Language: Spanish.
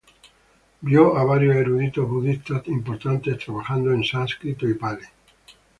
Vio a varios eruditos budistas importantes trabajando en Sánscrito y Pali.